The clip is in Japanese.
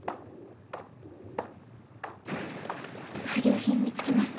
不良品見つけました。